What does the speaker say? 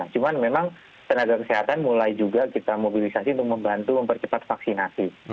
cuman memang tenaga kesehatan mulai juga kita mobilisasi untuk membantu mempercepat vaksinasi